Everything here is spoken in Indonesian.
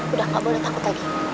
udah gak boleh takut lagi